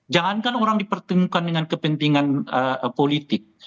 jangankan orang dipertemukan dengan kepentingan politik